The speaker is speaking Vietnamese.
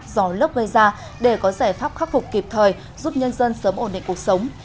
do lốc gây ra để có giải pháp khắc phục kịp thời giúp nhân dân sớm ổn định cuộc sống